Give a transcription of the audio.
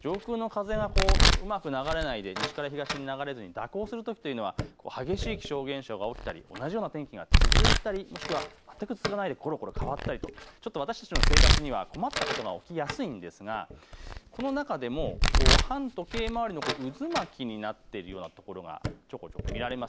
上空の風がうまく流れないで西から東へ流れずに蛇行するときというのは激しい気象現象が起きたり同じような天気が続いたり、もしくは全く続かないでころころ変わったりと私たちの生活には困ったことが起きやすいんですが、この中でも、反時計回りの渦巻きになっているような所がちょこちょこ見られます。